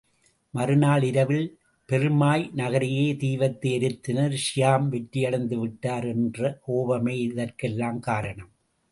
மறுநாள் இரவில் பெர்மாய் நகரையே தீவைத்து எரித்தனர் ஸியாம் வெற்றியடைந்து விட்டார் என்ற கோபமே இதற்கெல்லாம் காரணம்.